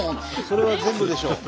それは全部でしょう。